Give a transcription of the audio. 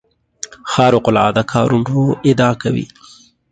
خارق العاده کارونو ادعا کوي.